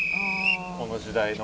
この時代の。